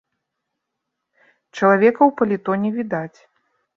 Чалавека ў паліто не відаць.